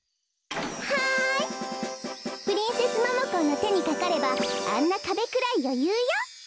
はいプリンセスモモコーのてにかかればあんなかべくらいよゆうよ。